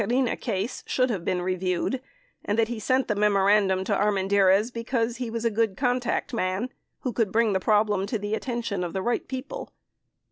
401 the Tijerina case should have been reviewed and that he sent the memorandum to Armendariz because he was a. good "contact man" who could bring the problem to the attention of the right people.